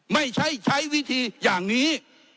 ไม่ใช่ใช้วิธีอย่างนี้